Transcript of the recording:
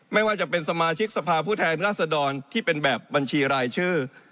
ไม่ว่าจะเป็นสมาชิกสภาพผู้แทนราชดรที่เป็นแบบบัญชีรายชื่อ